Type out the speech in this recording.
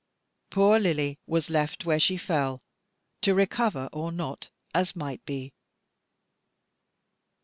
Poor Lily was left where she fell, to recover or not, as might be.